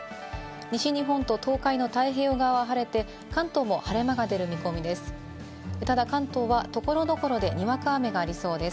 西日本と東海の太平洋側は晴れて、関東も晴れ間が出る見込みです。